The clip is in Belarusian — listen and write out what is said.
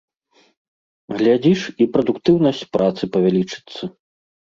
Глядзіш, і прадуктыўнасць працы павялічыцца.